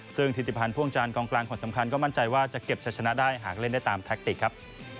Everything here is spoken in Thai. ซึ่งธิติพันธ์พ่วงจานกองกลางคนสำคัญก็มั่นใจว่าจะเก็บชะชนะได้หากเล่นได้ตามแท็กติกครับ